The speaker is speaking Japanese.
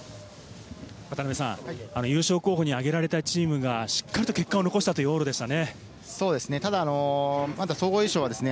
渡辺さん、優勝候補に挙げられたチームがしっかりと結果を残したという往路でしたね。